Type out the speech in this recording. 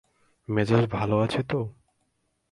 মেজাজ ভাল আছে তো?